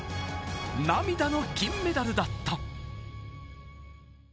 涙の金メダルだった。